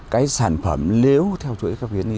cái sản phẩm nếu theo chuỗi các huyến